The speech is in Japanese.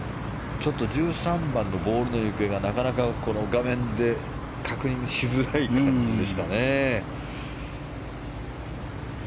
１３番のボールの行方がなかなか画面で確認しづらい感じでしたね。